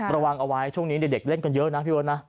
ระวังเอาไว้ช่วงนี้เด็กเล่นกันเยอะนะพี่เบิร์ตนะ